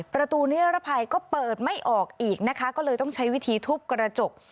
ประตูนิรภัยก็เปิดไม่ออกอีกนะคะก็เลยต้องใช้วิธีทุบกระจก